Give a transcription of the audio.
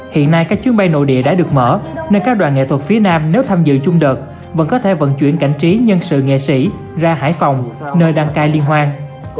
hiện nay các chuyến bay nội địa đã được mở nên các đoàn nghệ thuật phía nam nếu tham dự chung đợt vẫn có thể vận chuyển cảnh trí nhân sự nghệ sĩ ra hải phòng nơi đăng cai liên hoan